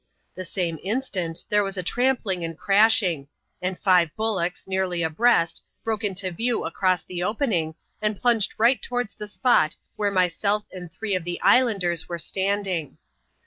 The same instant, there was a trampling and crashing ; and five bullocks, nearly abreast, broke into view across the opening, and plunged right towards the spot where myself and three of the islanders were standing.